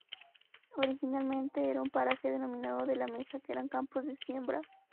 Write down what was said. Originalmente era un paraje denominado la Mesa que eran campos de siembra.